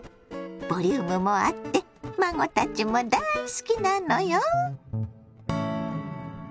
ボリュームもあって孫たちも大好きなのよ。